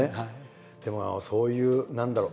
でもそういう何だろう